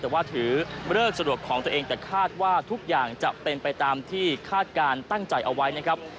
แต่ว่าถือเลิกสะดวกของตัวเองแต่คาดว่าทุกอย่างจะเป็นไปตามที่คาดการณ์ตั้งใจเอาไว้นะครับ